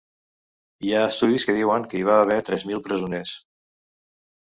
Hi ha estudis que diuen que hi va haver tres mil presoners.